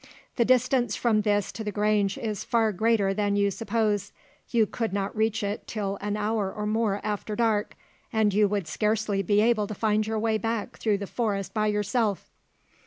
The distance from this to the Grange is far greater than you suppose: you could not reach it till an hour or more after dark, and you would scarcely be able to find your way back through the forest by yourself."